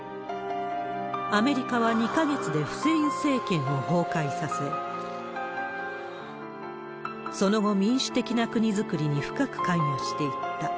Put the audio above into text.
アメリカは２か月でフセイン政権を崩壊させ、その後、民主的な国づくりに深く関与していった。